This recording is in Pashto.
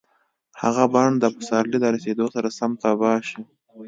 هغه بڼ د پسرلي د رسېدو سره سم تباه شو.